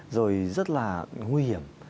rồi rất là nguy hiểm